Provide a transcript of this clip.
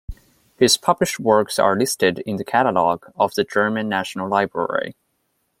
His published works are listed in the Catalog of the German National Library.